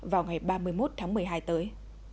vào ngày ba mươi một tháng một mươi hai tới